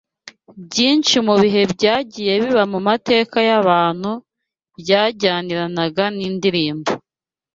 Byinshi mu bihe byagiye biba mu mateka y’abantu byajyaniranaga n’indirimbo.